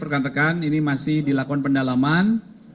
rekan rekan ini masih dilakukan pendalaman